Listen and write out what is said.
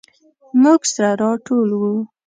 موږ سره راټول وو.